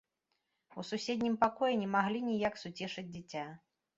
У суседнім пакоі не маглі ніяк суцешыць дзіця.